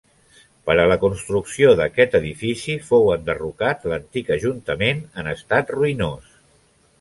Per a la construcció d'aquest edifici fou enderrocat l'antic ajuntament, en estat ruïnós.